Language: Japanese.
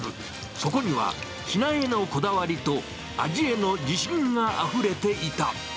そこには品へのこだわりと、味への自信があふれていた。